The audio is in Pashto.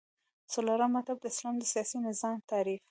څلورم مطلب : د اسلام د سیاسی نظام تعریف